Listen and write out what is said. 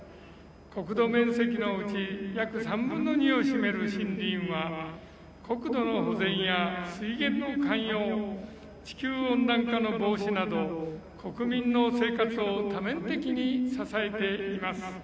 国土面積のうち約３分の２を占める森林は国土の保全や水源の涵養地球温暖化の防止など国民の生活を多面的に支えています。